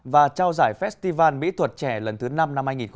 và trao giải festival mỹ thuật trẻ lần thứ năm năm hai nghìn hai mươi